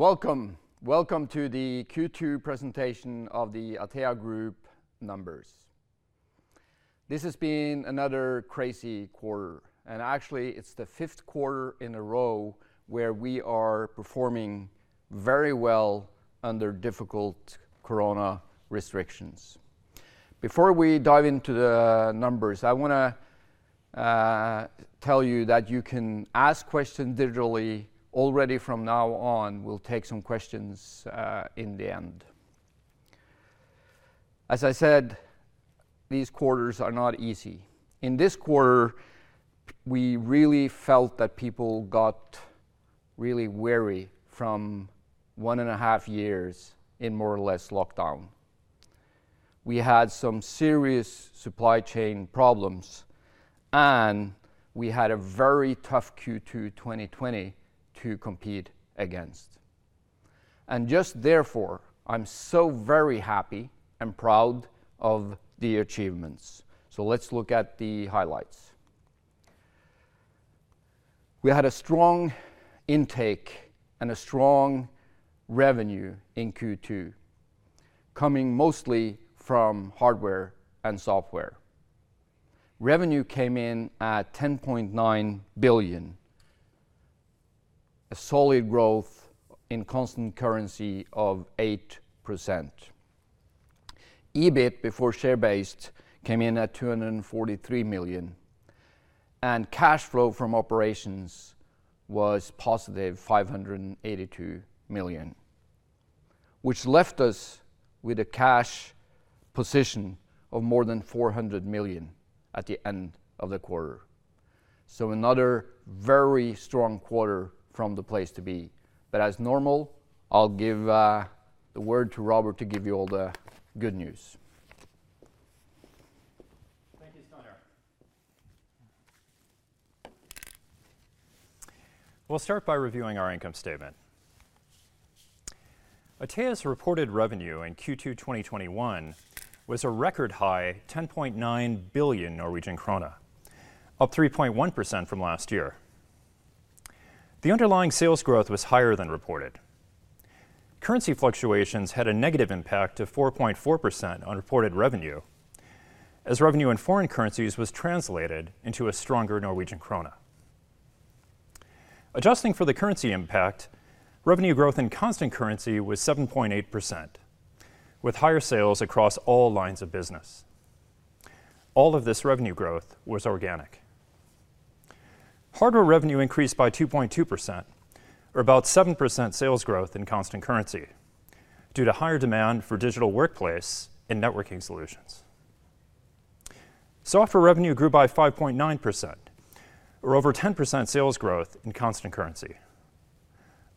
Welcome. Welcome to the Q2 presentation of the Atea Group numbers. Actually it's the fifth quarter in a row where we are performing very well under difficult corona restrictions. Before we dive into the numbers, I want to tell you that you can ask questions digitally already from now on. We'll take some questions in the end. As I said, these quarters are not easy. In this quarter, we really felt that people got really weary from one and a half years in more or less lockdown. We had some serious supply chain problems. We had a very tough Q2 2020 to compete against. Just therefore, I'm so very happy and proud of the achievements. Let's look at the highlights. We had a strong intake and a strong revenue in Q2, coming mostly from hardware and software. Revenue came in at 10.9 billion, a solid growth in constant currency of 8%. EBIT before share based came in at 243 million. Cash flow from operations was positive 582 million, which left us with a cash position of more than 400 million at the end of the quarter. Another very strong quarter from the place to be. As normal, I'll give the word to Robert to give you all the good news. Thank you, Steinar. We'll start by reviewing our income statement. Atea's reported revenue in Q2 2021 was a record high 10.9 billion Norwegian krone, up 3.1% from last year. The underlying sales growth was higher than reported. Currency fluctuations had a negative impact of 4.4% on reported revenue, as revenue in foreign currencies was translated into a stronger Norwegian krone. Adjusting for the currency impact, revenue growth in constant currency was 7.8%, with higher sales across all lines of business. All of this revenue growth was organic. Hardware revenue increased by 2.2%, or about 7% sales growth in constant currency due to higher demand for digital workplace and networking solutions. Software revenue grew by 5.9%, or over 10% sales growth in constant currency.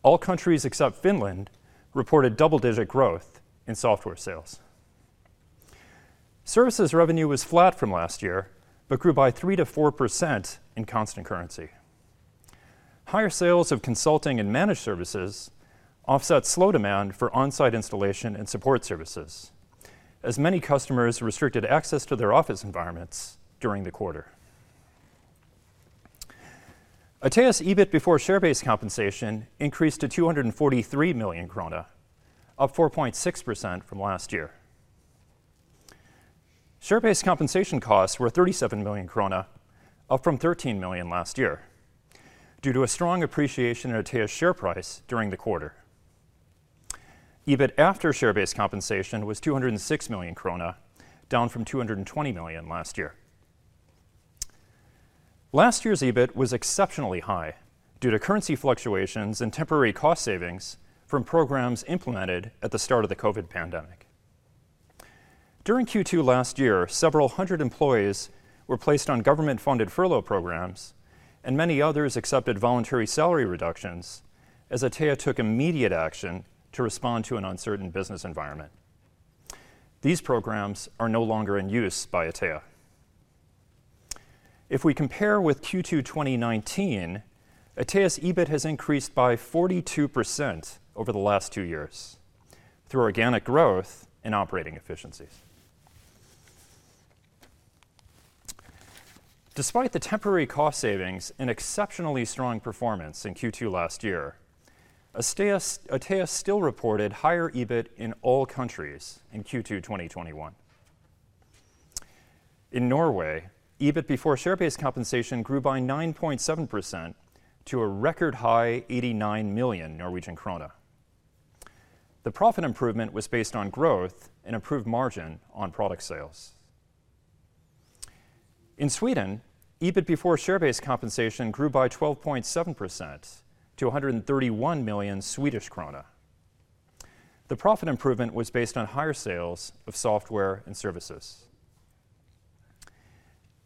All countries except Finland reported double-digit growth in software sales. Services revenue was flat from last year, but grew by 3%-4% in constant currency. Higher sales of consulting and managed services offset slow demand for on-site installation and support services, as many customers restricted access to their office environments during the quarter. Atea's EBIT before share-based compensation increased to 243 million krone, up 4.6% from last year. Share-based compensation costs were 37 million krone, up from 13 million last year due to a strong appreciation in Atea's share price during the quarter. EBIT after share-based compensation was 206 million krone, down from 220 million last year. Last year's EBIT was exceptionally high due to currency fluctuations and temporary cost savings from programs implemented at the start of the COVID pandemic. During Q2 last year, several hundred employees were placed on government-funded furlough programs, and many others accepted voluntary salary reductions as Atea took immediate action to respond to an uncertain business environment. These programs are no longer in use by Atea. If we compare with Q2 2019, Atea's EBIT has increased by 42% over the last 2 years through organic growth and operating efficiencies. Despite the temporary cost savings and exceptionally strong performance in Q2 last year, Atea still reported higher EBIT in all countries in Q2 2021. In Norway, EBIT before share-based compensation grew by 9.7% to a record high 89 million Norwegian krone. The profit improvement was based on growth and improved margin on product sales. In Sweden, EBIT before share-based compensation grew by 12.7% to 131 million Swedish krona. The profit improvement was based on higher sales of software and services.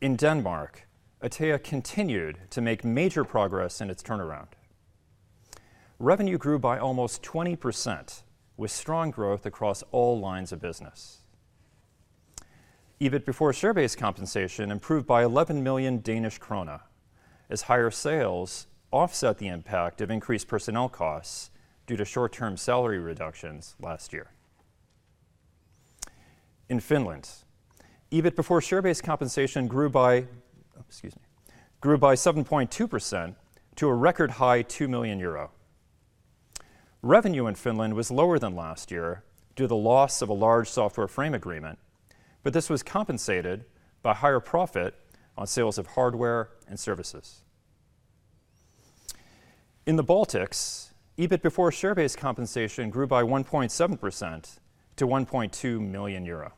In Denmark, Atea continued to make major progress in its turnaround. Revenue grew by almost 20%, with strong growth across all lines of business. EBIT before share-based compensation improved by 11 million Danish krone as higher sales offset the impact of increased personnel costs due to short-term salary reductions last year. In Finland, EBIT before share-based compensation grew by 7.2% to a record high 2 million euro. Revenue in Finland was lower than last year due to the loss of a large software frame agreement, but this was compensated by higher profit on sales of hardware and services. In the Baltics, EBIT before share-based compensation grew by 1.7% to 1.2 million euro.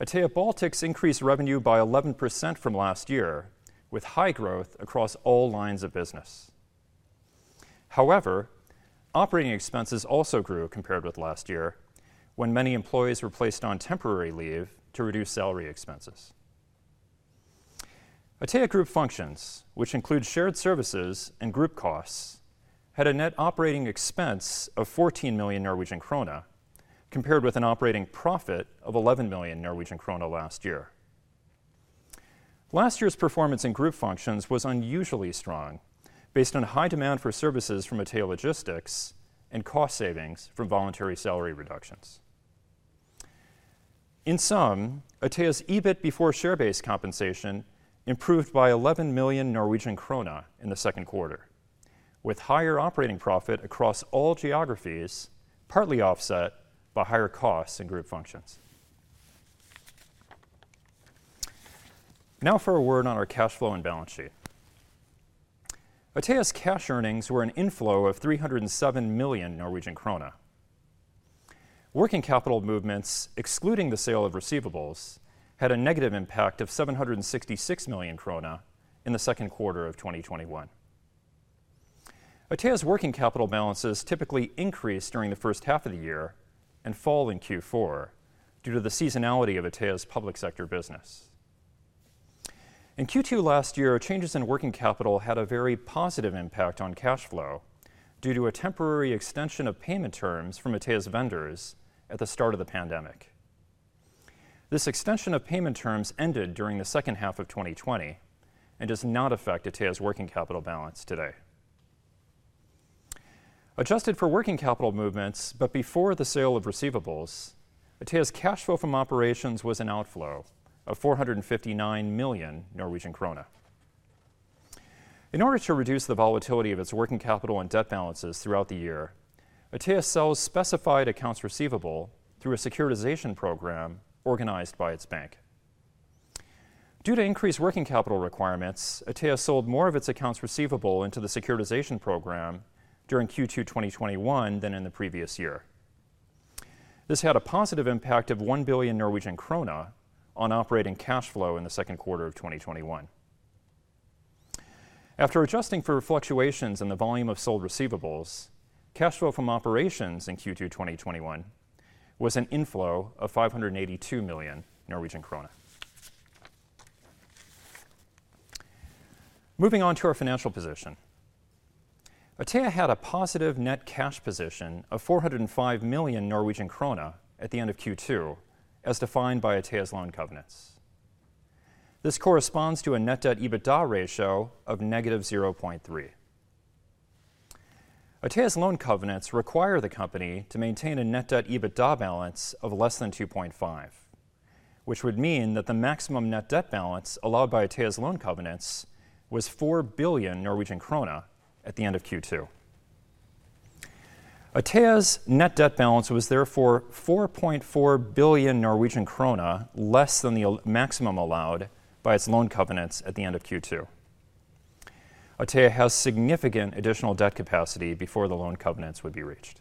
Atea Baltics increased revenue by 11% from last year, with high growth across all lines of business. However, operating expenses also grew compared with last year, when many employees were placed on temporary leave to reduce salary expenses. Atea Group Functions, which includes shared services and group costs, had a net operating expense of 14 million Norwegian krone, compared with an operating profit of 11 million Norwegian krone last year. Last year's performance in group functions was unusually strong, based on high demand for services from Atea Logistics and cost savings from voluntary salary reductions. In sum, Atea's EBIT before share-based compensation improved by 11 million Norwegian krone in the second quarter, with higher operating profit across all geographies, partly offset by higher costs in group functions. For a word on our cash flow and balance sheet. Atea's cash earnings were an inflow of 307 million Norwegian krone. Working capital movements, excluding the sale of receivables, had a negative impact of 766 million krone in the second quarter of 2021. Atea's working capital balances typically increase during the first half of the year and fall in Q4 due to the seasonality of Atea's public sector business. In Q2 last year, changes in working capital had a very positive impact on cash flow due to a temporary extension of payment terms from Atea's vendors at the start of the pandemic. This extension of payment terms ended during the second half of 2020 and does not affect Atea's working capital balance today. Adjusted for working capital movements, but before the sale of receivables, Atea's cash flow from operations was an outflow of 459 million Norwegian krone. In order to reduce the volatility of its working capital and debt balances throughout the year, Atea sells specified accounts receivable through a securitization program organized by its bank. Due to increased working capital requirements, Atea sold more of its accounts receivable into the securitization program during Q2 2021 than in the previous year. This had a positive impact of 1 billion Norwegian krone on operating cash flow in the second quarter of 2021. After adjusting for fluctuations in the volume of sold receivables, cash flow from operations in Q2 2021 was an inflow of 582 million Norwegian krone. Moving on to our financial position. Atea had a positive net cash position of 405 million Norwegian krone at the end of Q2, as defined by Atea's loan covenants. This corresponds to a net debt/EBITDA ratio of negative 0.3. Atea's loan covenants require the company to maintain a net debt EBITDA balance of less than 2.5, which would mean that the maximum net debt balance allowed by Atea's loan covenants was 4 billion Norwegian krone at the end of Q2. Atea's net debt balance was therefore 4.4 billion Norwegian krone less than the maximum allowed by its loan covenants at the end of Q2. Atea has significant additional debt capacity before the loan covenants would be reached.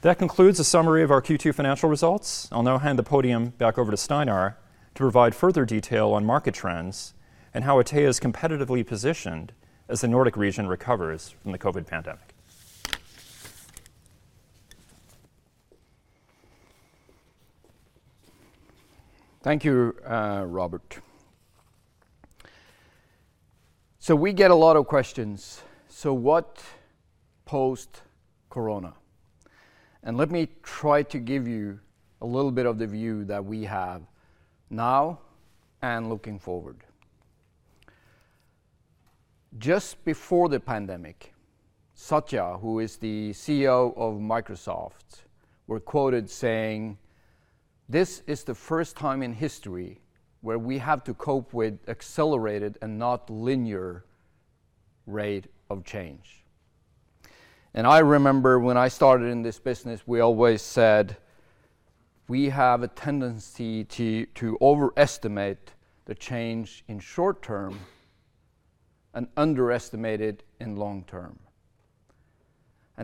That concludes the summary of our Q2 financial results. I'll now hand the podium back over to Steinar to provide further detail on market trends and how Atea is competitively positioned as the Nordic region recovers from the COVID pandemic. Thank you, Robert. We get a lot of questions. What post-corona? Let me try to give you a little bit of the view that we have now and looking forward. Just before the pandemic, Satya, who is the CEO of Microsoft, was quoted saying, "This is the first time in history where we have to cope with an accelerated rather than linear rate of change." I remember when I started in this business, we always said we have a tendency to overestimate the change in short term and underestimate it in long term.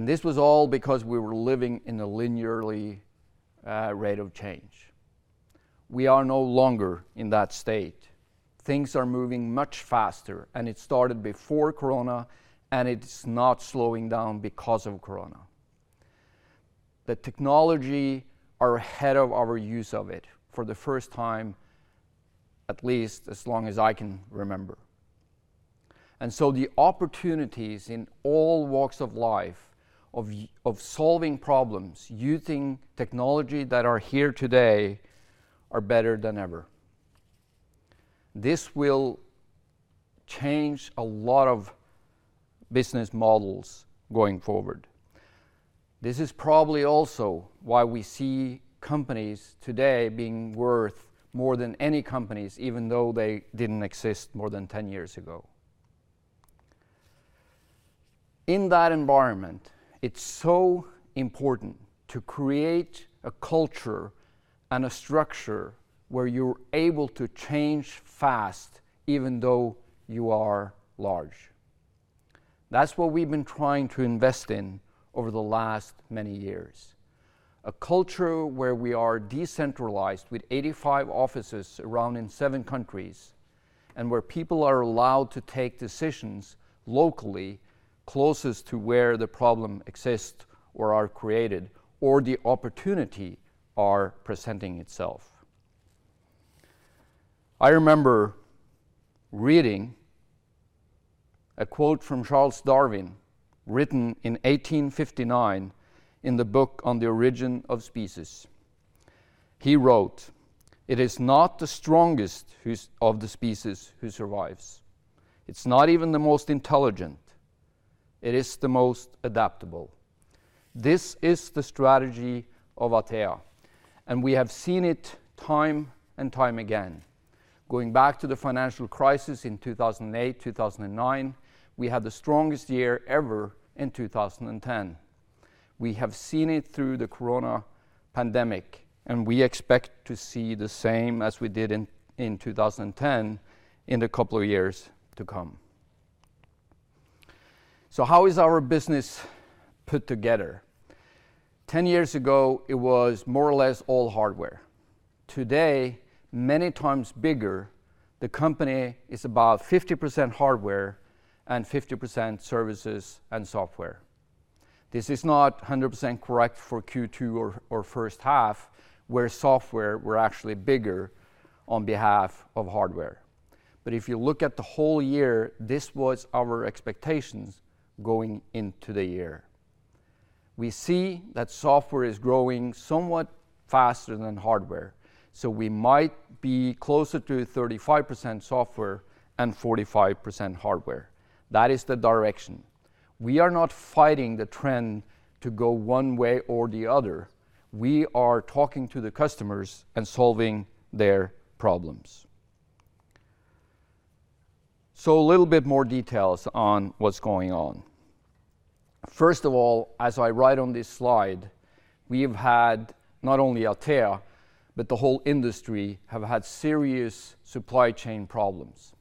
This was all because we were living in a linear rate of change. We are no longer in that state. Things are moving much faster, and it started before corona, and it's not slowing down because of corona. The technology is ahead of our use of it for the first time, at least as long as I can remember. The opportunities in all walks of life of solving problems using technology that are here today are better than ever. This will change a lot of business models going forward. This is probably also why we see companies today being worth more than any companies, even though they didn't exist more than 10 years ago. In that environment, it's so important to create a culture and a structure where you're able to change fast, even though you are large. That's what we've been trying to invest in over the last many years, a culture where we are decentralized with 85 offices around in 7 countries, and where people are allowed to take decisions locally, closest to where the problem exists or are created, or the opportunity are presenting itself. I remember reading a quote from Charles Darwin, written in 1859 in the book "On the Origin of Species." He wrote, "It is not the strongest of the species who survives. It's not even the most intelligent. It is the most adaptable." This is the strategy of Atea, and we have seen it time and time again. Going back to the financial crisis in 2008, 2009, we had the strongest year ever in 2010. We have seen it through the COVID pandemic, and we expect to see the same as we did in 2010 in the couple of years to come. How is our business put together? 10 years ago, it was more or less all hardware. Today, many times bigger, the company is about 50% hardware and 50% services and software. This is not 100% correct for Q2 or first half, where software were actually bigger on behalf of hardware. If you look at the whole year, this was our expectations going into the year. We see that software is growing somewhat faster than hardware, so we might be closer to 35% software and 45% hardware. That is the direction. We are not fighting the trend to go one way or the other. We are talking to the customers and solving their problems. A little bit more details on what's going on. First of all, as I write on this slide, we've had not only Atea, but the whole industry have had serious supply chain problems.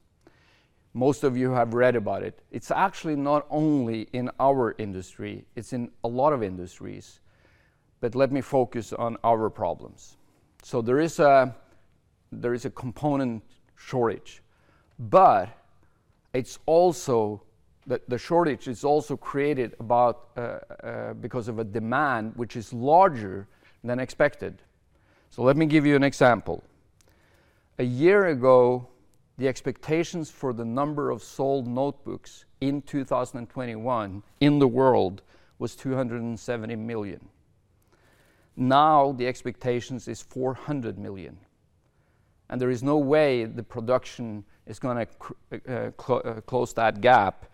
Most of you have read about it. It's actually not only in our industry, it's in a lot of industries. Let me focus on our problems. There is a component shortage. The shortage is also created because of a demand which is larger than expected. Let me give you an example. A year ago, the expectations for the number of sold notebooks in 2021 in the world was 270 million. Now, the expectation is 400 million, and there is no way the production is going to close that gap,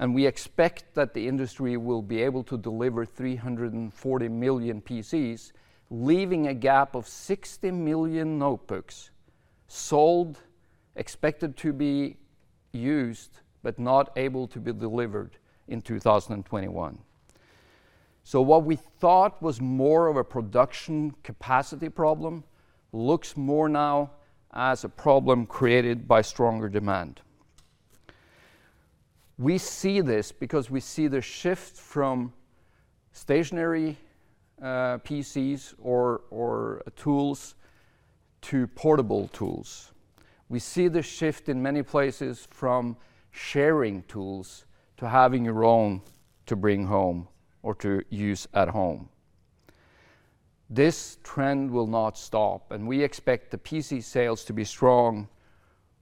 and we expect that the industry will be able to deliver 340 million PCs, leaving a gap of 60 million notebooks sold, expected to be used, but not able to be delivered in 2021. What we thought was more of a production capacity problem looks more now as a problem created by stronger demand. We see this because we see the shift from stationary PCs or tools to portable tools. We see the shift in many places from sharing tools to having your own to bring home or to use at home. This trend will not stop, and we expect the PC sales to be strong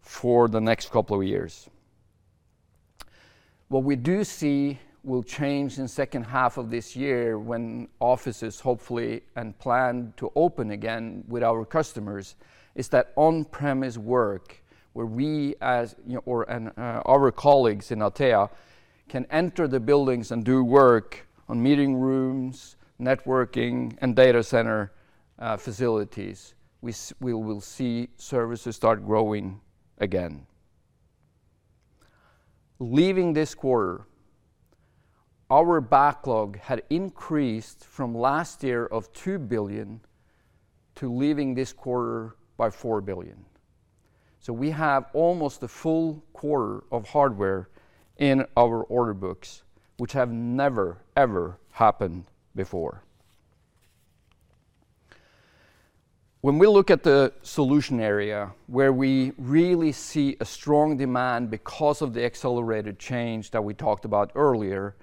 for the next couple of years. What we do see will change in second half of this year when offices hopefully and planned to open again with our customers is that on-premise work where we or our colleagues in Atea can enter the buildings and do work on meeting rooms, networking, and data center facilities. We will see services start growing again. Leaving this quarter, our backlog had increased from last year of 2 billion to leaving this quarter by 4 billion. We have almost a full quarter of hardware in our order books, which have never, ever happened before. When we look at the solution area, where we really see a strong demand because of the accelerated change that we talked about earlier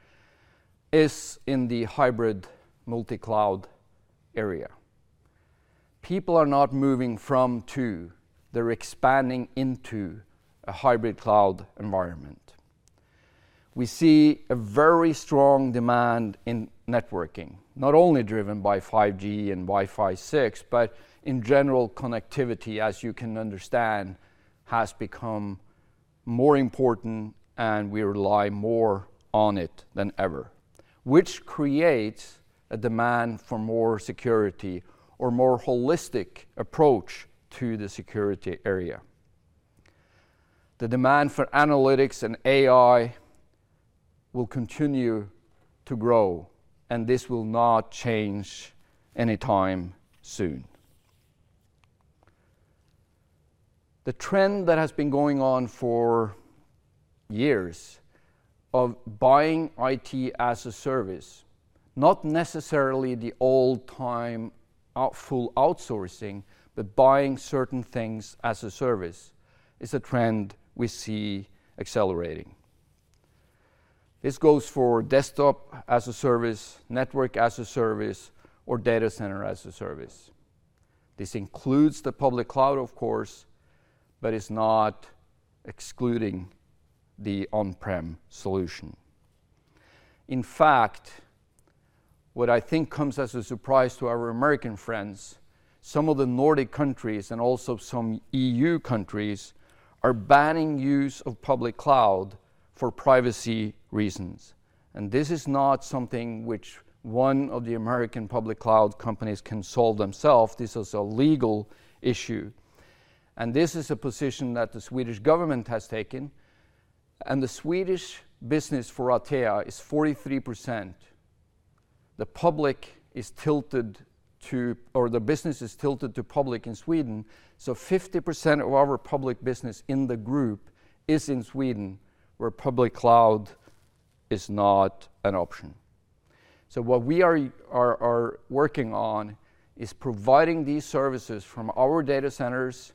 is in the hybrid multi-cloud area. People are not moving from, to. They're expanding into a hybrid cloud environment. We see a very strong demand in networking, not only driven by 5G and Wi-Fi 6, but in general, connectivity, as you can understand, has become more important and we rely more on it than ever, which creates a demand for more security or more holistic approach to the security area. The demand for analytics and AI will continue to grow, and this will not change anytime soon. The trend that has been going on for years of buying IT as a service, not necessarily the old-time full outsourcing, but buying certain things as a service, is a trend we see accelerating. This goes for desktop as a service, network as a service, or data center as a service. This includes the public cloud, of course, but it's not excluding the on-prem solution. In fact, what I think comes as a surprise to our American friends, some of the Nordic countries, and also some EU countries, are banning use of public cloud for privacy reasons. This is not something which one of the American public cloud companies can solve themselves. This is a legal issue. This is a position that the Swedish government has taken, and the Swedish business for Atea is 43%. The business is tilted to public in Sweden, 50% of our public business in the group is in Sweden, where public cloud is not an option. What we are working on is providing these services from our data centers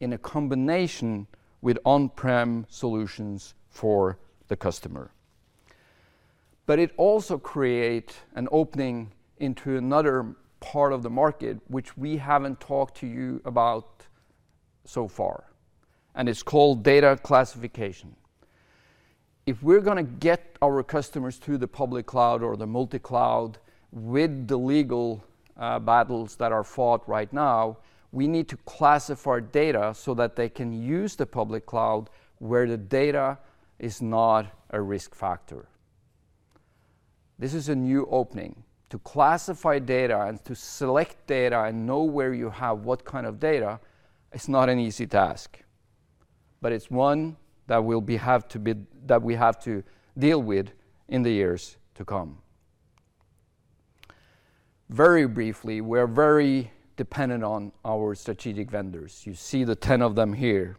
in a combination with on-prem solutions for the customer. It also create an opening into another part of the market, which we haven't talked to you about so far, and it's called data classification. If we're going to get our customers to the public cloud or the hybrid multi-cloud with the legal battles that are fought right now, we need to classify data so that they can use the public cloud where the data is not a risk factor. This is a new opening. To classify data and to select data and know where you have what kind of data is not an easy task, but it's one that we have to deal with in the years to come. Very briefly, we're very dependent on our strategic vendors. You see the 10 of them here.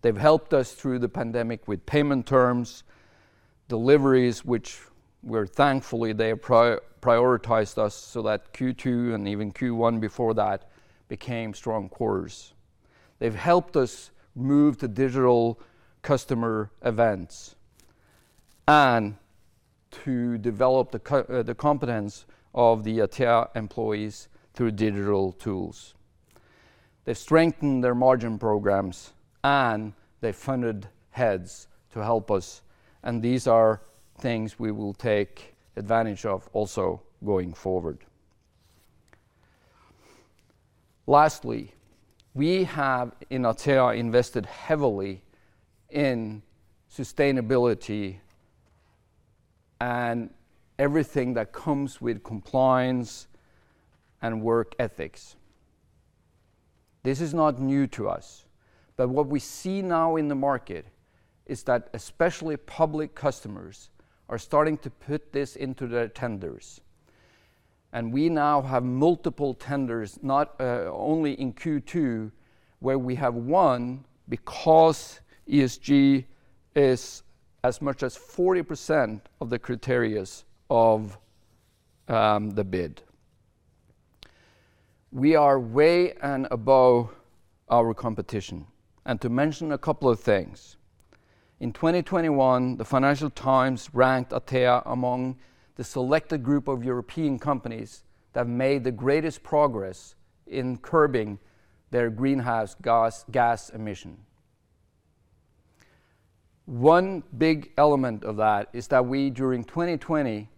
They've helped us through the pandemic with payment terms, deliveries, which we're thankfully they prioritized us so that Q2 and even Q1 before that became strong quarters. They've helped us move to digital customer events and to develop the competence of the Atea employees through digital tools. They've strengthened their margin programs and they funded heads to help us, and these are things we will take advantage of also going forward. Lastly, we have in Atea invested heavily in sustainability and everything that comes with compliance and work ethics. This is not new to us, but what we see now in the market is that especially public customers are starting to put this into their tenders. We now have multiple tenders, not only in Q2, where we have one because ESG is as much as 40% of the criteria of the bid. We are way and above our competition. To mention a couple of things, in 2021, the Financial Times ranked Atea among the selected group of European companies that made the greatest progress in curbing their greenhouse gas emission. One big element of that is that we, during 2020,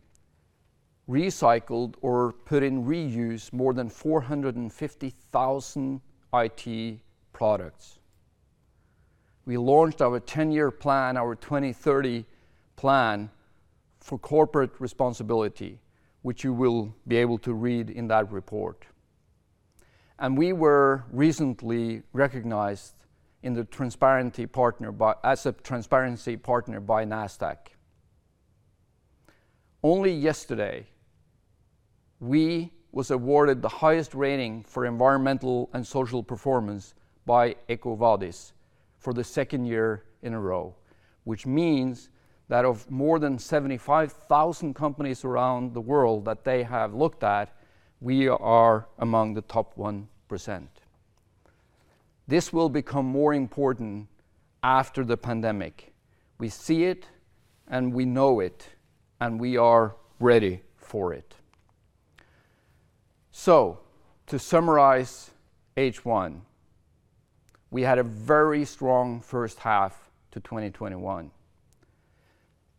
recycled or put in reuse more than 450,000 IT products. We launched our 10-year plan, our 2030 plan for corporate responsibility, which you will be able to read in that report. We were recently recognized as a transparency partner by Nasdaq. Only yesterday, we were awarded the highest rating for environmental and social performance by EcoVadis for the second year in a row, which means that of more than 75,000 companies around the world that they have looked at, we are among the top 1%. This will become more important after the pandemic. We see it and we know it, and we are ready for it. To summarize H1, we had a very strong first half to 2021,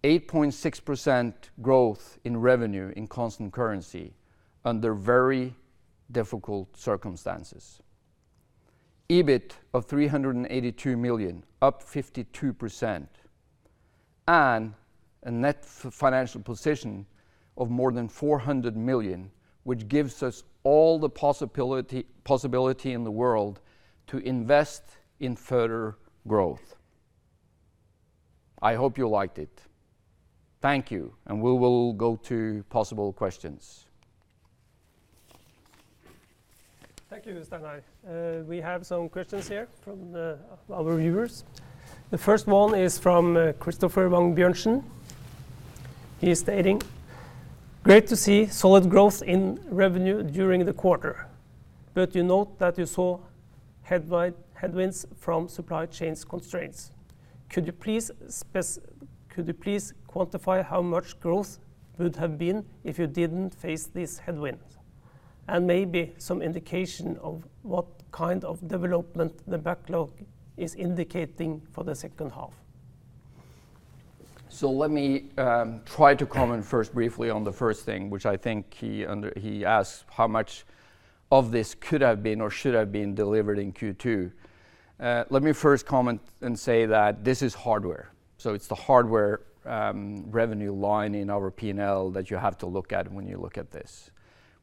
8.6% growth in revenue in constant currency under very difficult circumstances. EBIT of 382 million, up 52%, and a net financial position of more than 400 million, which gives us all the possibility in the world to invest in further growth. I hope you liked it. Thank you. We will go to possible questions. Thank you, Steinar Sønsteby. We have some questions here from our viewers. The first one is from Christoffer Wang Bjørnsen. He's stating, "Great to see solid growth in revenue during the quarter, but you note that you saw headwinds from supply chains constraints. Could you please quantify how much growth would have been if you didn't face these headwinds? Maybe some indication of what kind of development the backlog is indicating for the second half? Let me try to comment first briefly on the first thing, which I think he asked how much of this could have been or should have been delivered in Q2. Let me first comment and say that this is hardware. It's the hardware revenue line in our P&L that you have to look at when you look at this.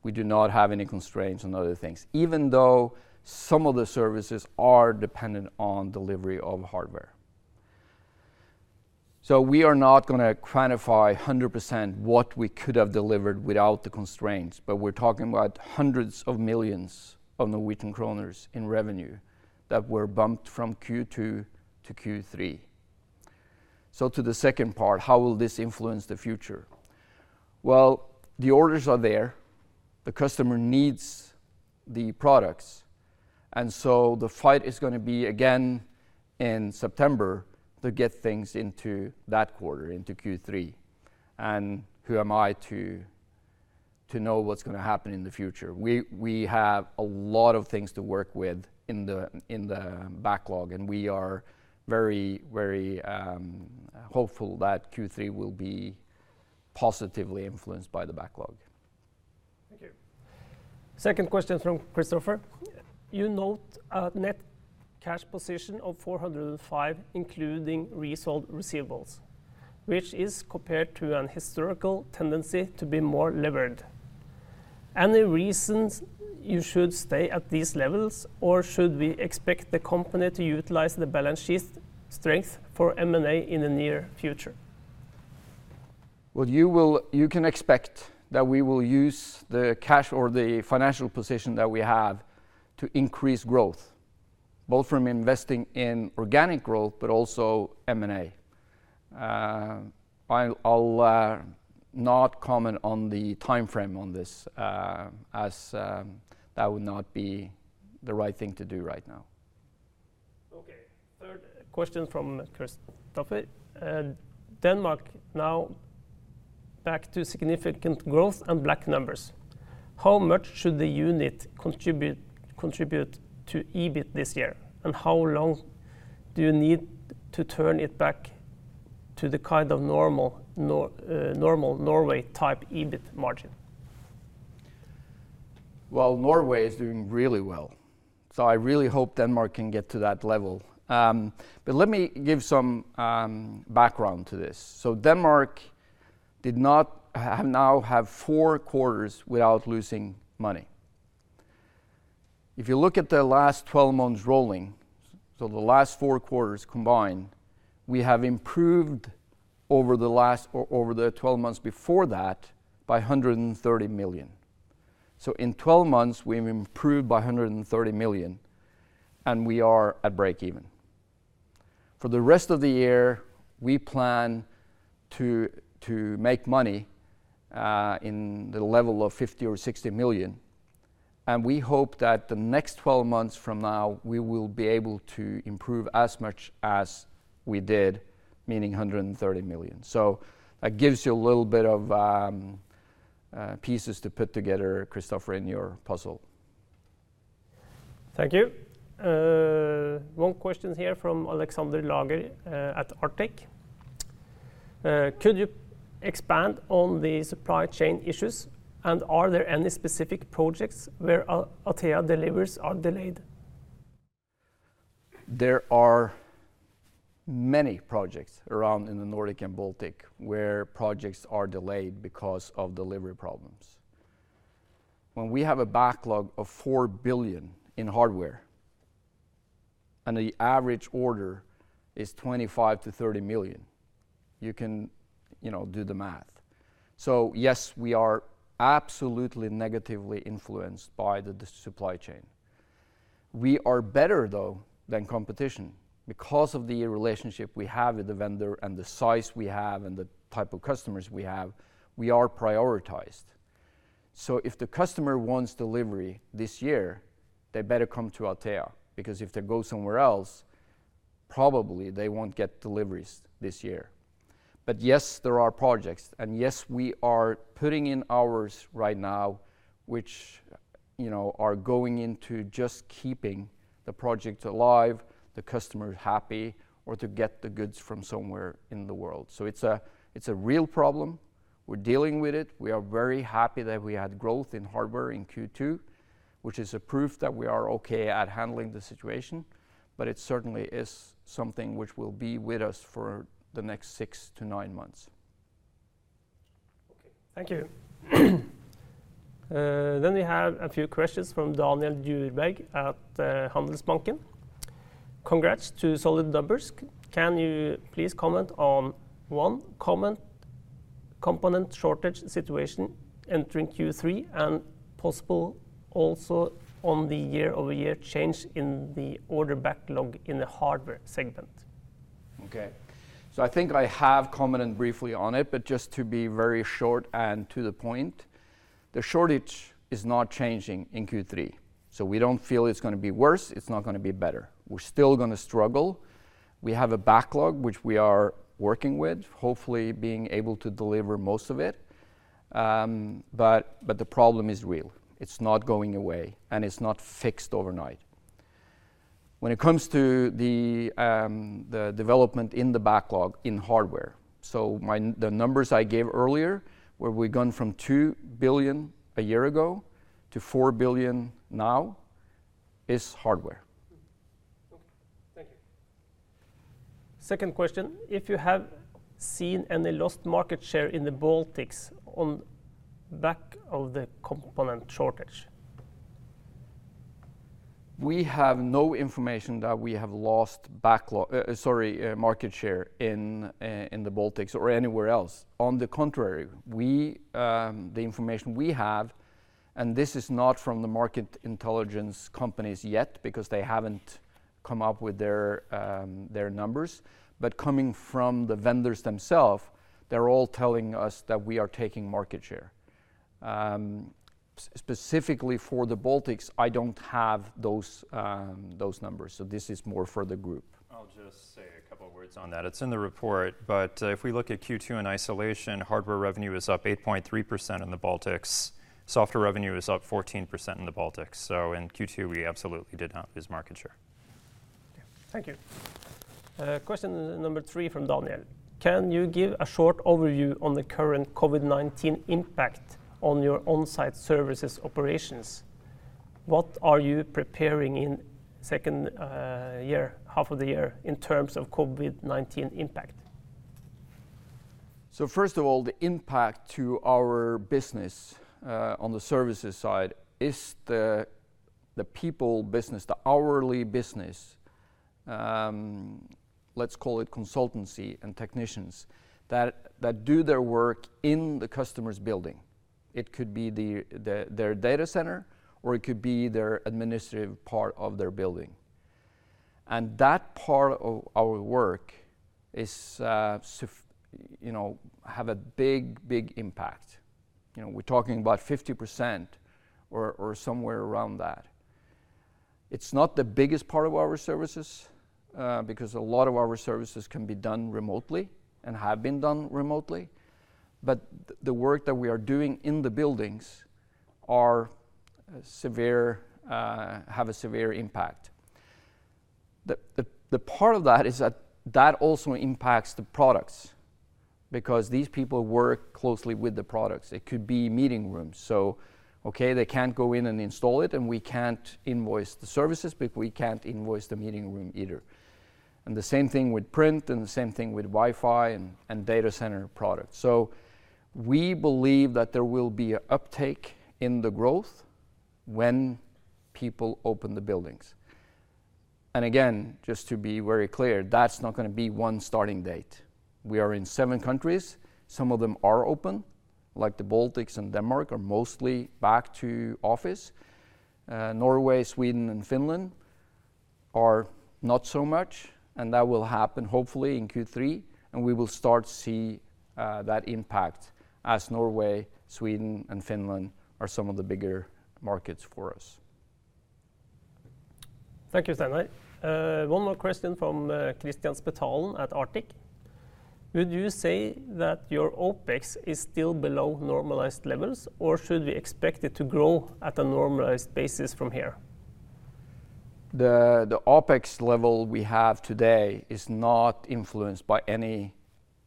We do not have any constraints on other things, even though some of the services are dependent on delivery of hardware. We are not going to quantify 100% what we could have delivered without the constraints, but we're talking about hundreds of millions of NOK in revenue that were bumped from Q2 to Q3. To the second part, how will this influence the future? Well, the orders are there. The customer needs the products, and so the fight is going to be again in September to get things into that quarter, into Q3. Who am I to know what's going to happen in the future? We have a lot of things to work with in the backlog, and we are very hopeful that Q3 will be positively influenced by the backlog. Thank you. Second question from Christoffer. "You note a net cash position of 405, including resold receivables, which is compared to an historical tendency to be more levered. Any reasons you should stay at these levels, or should we expect the company to utilize the balance sheet strength for M&A in the near future? Well, you can expect that we will use the cash or the financial position that we have to increase growth, both from investing in organic growth, but also M&A. I'll not comment on the timeframe on this, as that would not be the right thing to do right now. Okay. Third question from Christoffer. "Denmark now back to significant growth and black numbers. How much should the unit contribute to EBIT this year, and how long do you need to turn it back to the kind of normal Norway-type EBIT margin? Norway is doing really well, so I really hope Denmark can get to that level. Let me give some background to this. Denmark did not now have 4 quarters without losing money. If you look at the last 12 months rolling, so the last 4 quarters combined, we have improved over the 12 months before that by 130 million. In 12 months, we've improved by 130 million, and we are at breakeven. For the rest of the year, we plan to make money in the level of 50 million or 60 million, and we hope that the next 12 months from now, we will be able to improve as much as we did, meaning 130 million. That gives you a little bit of pieces to put together, Christoffer, in your puzzle. Thank you. One question here from Alexander Lager at Arctic. "Could you expand on the supply chain issues, and are there any specific projects where Atea deliveries are delayed? There are many projects around in the Nordic and Baltic where projects are delayed because of delivery problems. When we have a backlog of 4 billion in hardware and the average order is 25 million to 30 million, you can do the math. Yes, we are absolutely negatively influenced by the supply chain. We are better, though, than competition. Because of the relationship we have with the vendor and the size we have and the type of customers we have, we are prioritized. If the customer wants delivery this year, they better come to Atea, because if they go somewhere else, probably they won't get deliveries this year. Yes, there are projects, and yes, we are putting in hours right now which are going into just keeping the project alive, the customer happy, or to get the goods from somewhere in the world. It's a real problem. We're dealing with it. We are very happy that we had growth in hardware in Q2, which is a proof that we are okay at handling the situation, but it certainly is something which will be with us for the next six to nine months. Okay. Thank you. We have a few questions from Daniel Djurberg at Handelsbanken. Congrats to solid numbers. Can you please comment on 1, component shortage situation entering Q3, and possible also on the year-over-year change in the order backlog in the hardware segment? Okay. I think I have commented briefly on it, but just to be very short and to the point, the shortage is not changing in Q3. We don't feel it's going to be worse, it's not going to be better. We're still going to struggle. We have a backlog which we are working with, hopefully being able to deliver most of it. The problem is real. It's not going away, and it's not fixed overnight. When it comes to the development in the backlog in hardware, the numbers I gave earlier where we've gone from 2 billion a year ago to 4 billion now is hardware. Okay. Thank you. Second question, if you have seen any lost market share in the Baltics on back of the component shortage? We have no information that we have lost market share in the Baltics or anywhere else. On the contrary, the information we have, and this is not from the market intelligence companies yet because they haven't come up with their numbers, but coming from the vendors themselves, they're all telling us that we are taking market share. Specifically for the Baltics, I don't have those numbers, so this is more for the Group. I'll just say a couple words on that. It's in the report, but if we look at Q2 in isolation, hardware revenue is up 8.3% in the Baltics. Software revenue is up 14% in the Baltics. In Q2, we absolutely did have this market share. Okay. Thank you. Question number three from Daniel. Can you give a short overview on the current COVID-19 impact on your onsite services operations? What are you preparing in second half of the year in terms of COVID-19 impact? First of all, the impact on our business, on the services side is the people business, the hourly business, let's call it consultancy and technicians, that do their work in the customer's building. It could be their data center or it could be their administrative part of their building. That part of our work have a big impact. We're talking about 50% or somewhere around that. It's not the biggest part of our services, because a lot of our services can be done remotely and have been done remotely, but the work that we are doing in the buildings have a severe impact. The part of that is that that also impacts the products because these people work closely with the products. It could be meeting rooms. Okay, they can't go in and install it, and we can't invoice the services, but we can't invoice the meeting room either. The same thing with print and the same thing with Wi-Fi and data center products. We believe that there will be a uptake in the growth when people open the buildings. Again, just to be very clear, that's not going to be one starting date. We are in seven countries. Some of them are open, like the Baltics and Denmark are mostly back to office. Norway, Sweden, and Finland are not so much, and that will happen hopefully in Q3, and we will start to see that impact as Norway, Sweden, and Finland are some of the bigger markets for us. Thank you, Steinar Sønsteby. One more question from Kristian Spetalen at Arctic. Would you say that your OpEx is still below normalized levels, or should we expect it to grow at a normalized basis from here? The OpEx level we have today is not influenced by any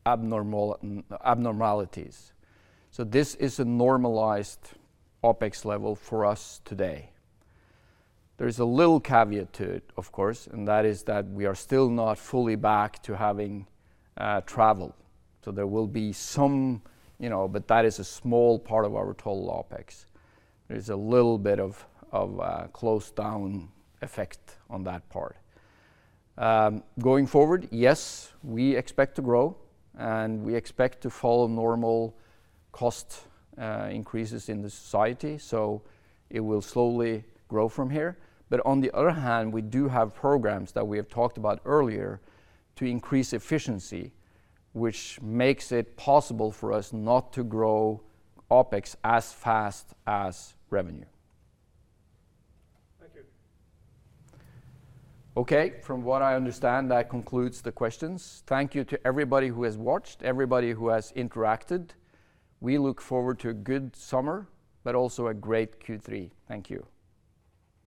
abnormalities. This is a normalized OpEx level for us today. There is a little caveat to it, of course, and that is that we are still not fully back to having travel. There will be some, but that is a small part of our total OpEx. There is a little bit of a closed down effect on that part. Going forward, yes, we expect to grow, and we expect to follow normal cost increases in the society. It will slowly grow from here. On the other hand, we do have programs that we have talked about earlier to increase efficiency, which makes it possible for us not to grow OpEx as fast as revenue. Thank you. Okay. From what I understand, that concludes the questions. Thank you to everybody who has watched, everybody who has interacted. We look forward to a good summer, but also a great Q3. Thank you